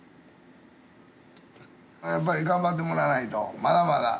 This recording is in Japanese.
やっぱり頑張ってもらわないとまだまだ。